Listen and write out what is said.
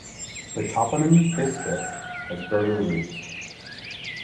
The toponym "Thysdrus" has Berber roots.